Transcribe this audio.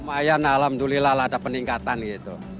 lumayan alhamdulillah lah ada peningkatan gitu